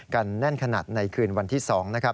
แน่นขนาดในคืนวันที่๒นะครับ